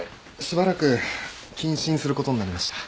しばらく謹慎することになりました。